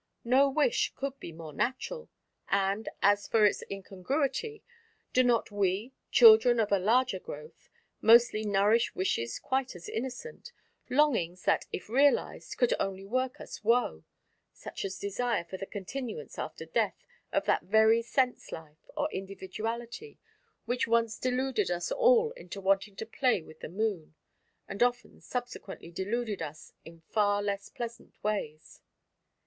No wish could be more natural; and as for its incongruity, do not we, children of a larger growth, mostly nourish wishes quite as innocent, longings that if realized could only work us woe, such as desire for the continuance after death of that very sense life, or individuality, which once deluded us all into wanting to play with the Moon, and often subsequently deluded us in far less pleasant ways?